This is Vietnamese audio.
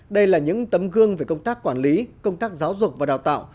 đây là những tấm gương về công tác quản lý công tác giáo dục và đào tạo